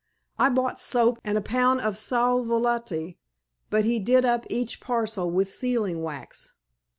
I bought soap, and a pound of sal volatile, but he did up each parcel with sealing wax."